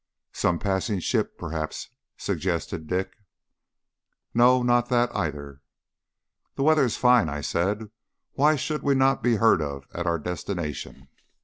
"Some passing ship, perhaps," suggested Dick. "No, nor that either." "The weather is fine," I said; "why should we not be heard of at our destination."